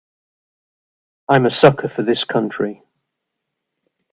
I'm a sucker for this country.